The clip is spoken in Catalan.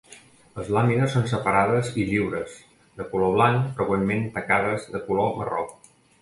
Les làmines són separades i lliures, de color blanc, freqüentment tacades de color marró.